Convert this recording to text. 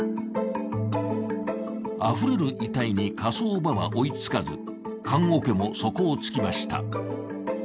あふれる遺体に火葬場は追いつかず、棺おけも底を突きました。